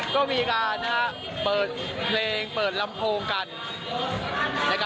ก็มีการเปิดเพลงเปิดลำโพงกัน